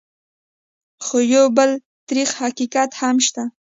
خو یو بل تريخ حقیقت هم شته: